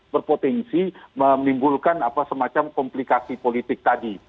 berpotensi menimbulkan semacam komplikasi politik tadi